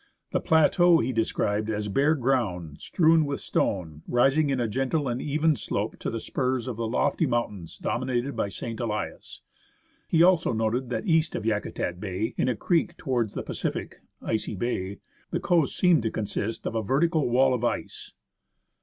The plateau he de scribed as bare ground strewn with stone, rising in a gentle and even slope to the spurs of lofty mountains dominated by St. Elias. He also noted that east of Yakutat Bay, in a creek towards the Pacific (Icy Bay), the coast seemed to consist of a vertical wall of ice.